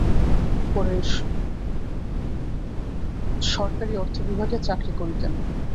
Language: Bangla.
পরে সরকারী অর্থবিভাগে চাকরি করিতেন।